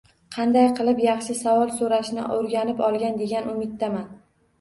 Qanday qilib yaxshi savol so’rashni o’rganib olgan degan umiddaman